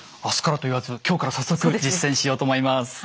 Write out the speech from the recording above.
明日からと言わず今日から早速実践しようと思います。